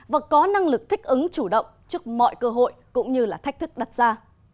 và có năng lực thích ứng chủ động trước mọi cơ hội cũng như là thách thức đặt ra